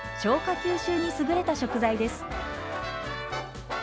吸収に優れた食材です。